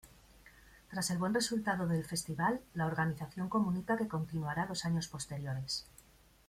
Tras el buen resultado del festival, la organización comunica que continuará los años posteriores.